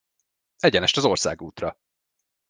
Egyenest az országútra!